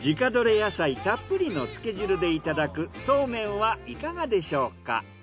野菜たっぷりのつけ汁でいただくそうめんはいかがでしょうか？